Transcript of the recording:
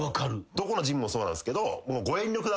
どこのジムもそうなんすけど。